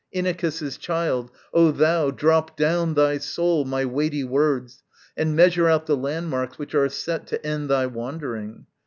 Inachus's child, O thou! drop down thy soul my weighty words, And measure out the landmarks which are set To end thy wandering.